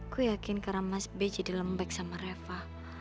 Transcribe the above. gue yakin karena mas b jadi lembek sama reva